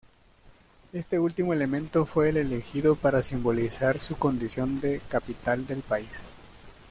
Este último elemento fue el elegido para simbolizar su condición de capital del país.